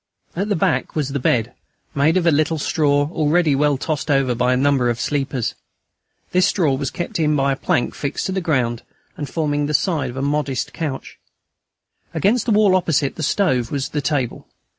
At the back was the bed, made out of a little straw already well tossed over by a number of sleepers. This straw was kept in by a plank fixed to the ground and forming the side of the modest couch. Against the wall, opposite the stove, was the table.